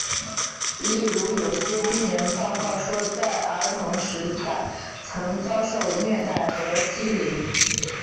例如有些病人报告说在儿童时代曾遭受虐待和欺凌。